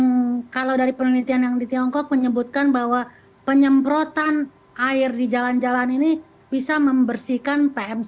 nah kalau dari penelitian yang di tiongkok menyebutkan bahwa penyemprotan air di jalan jalan ini bisa membersihkan pmc